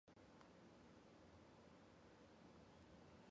香港文学一向较自由及开放。